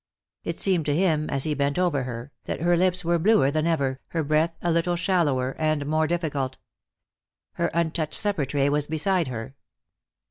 It seemed to him, as he bent over her, that her lips were bluer than ever, her breath a little shallower and more difficult. Her untouched supper tray was beside her.